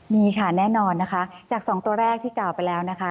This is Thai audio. มีค่ะแน่นอนนะคะจาก๒ตัวแรกที่กล่าวไปแล้วนะคะ